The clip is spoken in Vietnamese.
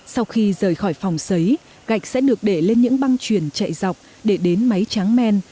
sau khi rời khỏi phòng xấy gạch sẽ được để lên những băng truyền chạy dọc để đến máy tráng men